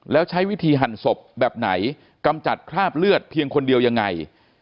แล้วใช้วิธีหั่นศพแบบไหนกำจัดคราบเลือดเพียงคนเดียวยังไง